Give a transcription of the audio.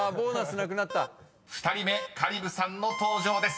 ［２人目香里武さんの登場です］